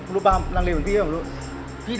พี่ดำกับแดงอ่ะตอนนี้